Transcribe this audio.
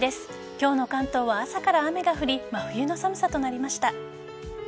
今日の関東は朝から雨が降り真冬の寒さとなりました。